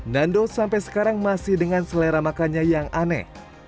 nando sampai sekarang masih dengan selera makannya yang aneh